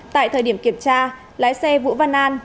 tại thời điểm kiểm tra lái xe vũ văn an